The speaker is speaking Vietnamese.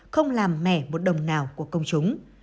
không làm mẻ một đồng nào của công chúng